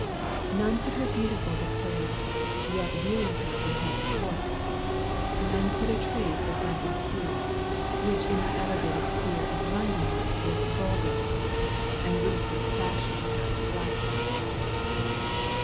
None could her beautiful declare, Yet viewing her from head to foot. None could a trace of that impute, ^ Which in the elevated sphere Of London life is vulgar " called And ruthless fashion hath blackballed.